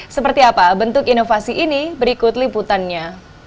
seperti apa bentuk inovasi ini berikut liputannya